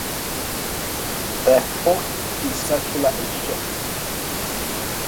The fort is circular in shape.